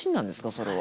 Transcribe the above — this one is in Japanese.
それは。